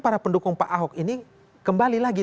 para pendukung pak ahok ini kembali lagi